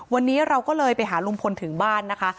วันนี้เราก็เลยไปหาลุงพลถึงบ้านนะคะ